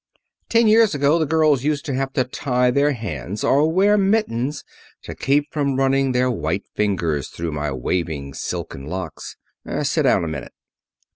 Ten years ago the girls used to have to tie their hands or wear mittens to keep from running their white fingers through my waving silken locks. Sit down a minute."